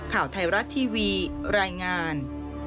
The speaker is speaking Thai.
ข่าวไทยรัฐทีวีรายงาน